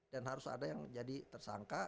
dan harus ada yang jadi tersangka